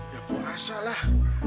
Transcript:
ya puasa lah